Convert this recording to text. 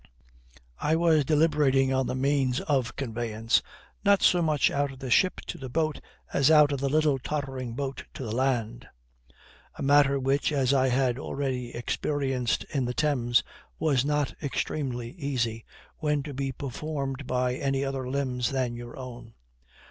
I was deliberating on the means of conveyance, not so much out of the ship to the boat as out of a little tottering boat to the land; a matter which, as I had already experienced in the Thames, was not extremely easy, when to be performed by any other limbs than your own.